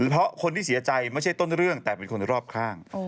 เพราะคนที่เสียใจไม่ใช่ต้นเรื่องแต่เป็นคนรอบข้าง